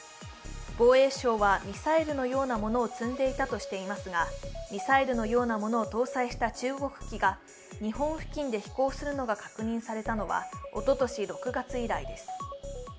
防衛省はミサイルのようなものを積んでいたとしていますがミサイルのようなものを搭載した中国機が日本付近で飛行するのが確認されたのはおととし６月以来です。